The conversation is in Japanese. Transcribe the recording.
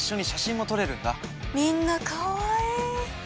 みんなかわいい！